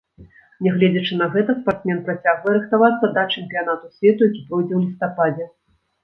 Нягледзячы на гэта, спартсмен працягвае рыхтавацца да чэмпіянату свету, які пройдзе ў лістападзе.